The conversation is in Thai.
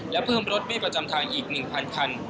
และเพิ่มรถบี้ประจำทางอีก๑๐๐คัน